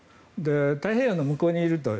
太平洋の向こうにいると。